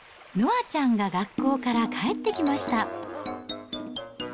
あちゃんが学校から帰ってきました。